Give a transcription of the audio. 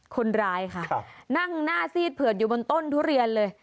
คนร้ายค่ะนั่งหน้าซีดเผือดอยู่บนต้นทุเรียนเลย